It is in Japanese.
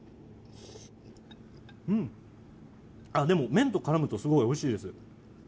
でも、麺と絡むとすごいおいしいです。